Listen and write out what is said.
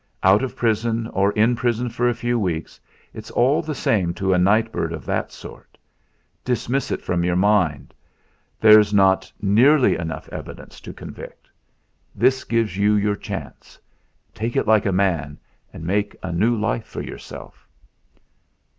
Out of prison, or in prison for a few weeks, it's all the same to a night bird of that sort. Dismiss it from your mind there's not nearly enough evidence to convict. This gives you your chance. Take it like a man, and make a new life for yourself."